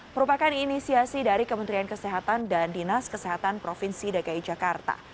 merupakan inisiasi dari kementerian kesehatan dan dinas kesehatan provinsi dki jakarta